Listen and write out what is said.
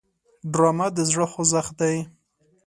ډرامه د زړه خوځښت دی